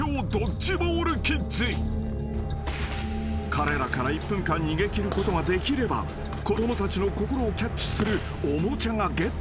［彼らから１分間逃げ切ることができれば子供たちの心をキャッチするおもちゃがゲットできるのだ］